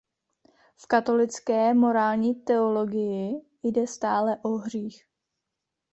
V katolické morální teologii jde stále o hřích.